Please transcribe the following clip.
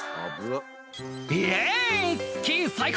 「イエイスキー最高！